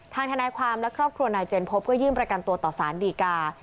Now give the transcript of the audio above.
ทนายความและครอบครัวนายเจนพบก็ยื่นประกันตัวต่อสารดีกา